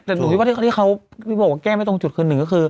แต่หนูคิดว่าที่เขาบอกว่าแก้ไม่ตรงจุดคือหนึ่งก็คือ